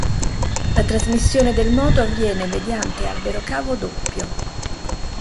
La trasmissione del moto avviene mediante albero cavo doppio.